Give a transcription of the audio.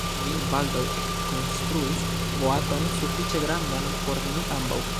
Ni baldaŭ ekkonstruis boaton sufiĉe grandan por ni ambaŭ.